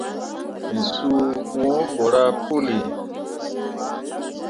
Me sur wǝǝ ɓerah puli.